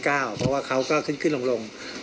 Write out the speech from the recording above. เพราะว่าเขาก็ขึ้นขึ้นลง